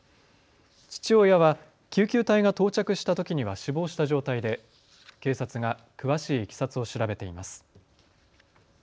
父親は救急隊が到着したときには死亡した状態で、警察が詳しいいきさつを調べています。